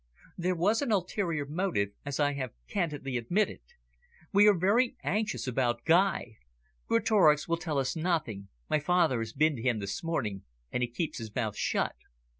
"There was an ulterior motive, as I have candidly admitted. We are very anxious about Guy. Greatorex will tell us nothing, my father has been to him this morning, and he keeps his mouth shut.